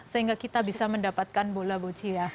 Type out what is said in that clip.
sehingga kita bisa mendapatkan bola boccia